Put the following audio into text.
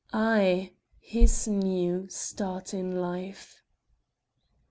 Aye his new start in life!